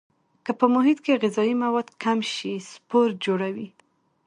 که په محیط کې غذایي مواد کم شي سپور جوړوي.